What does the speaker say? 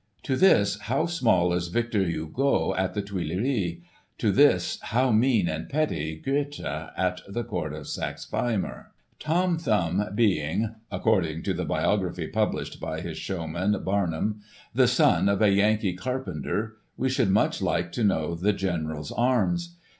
To this^ how small is Victor Hugo at the Tuileries ; to this, how mean and petty Gothe at the Court of Saxe Weimar ! "Tom Thumb being — according to the biography pub lished by his showman, Barnum — the son of a Yankee car penter, we should much like to know the General's arms.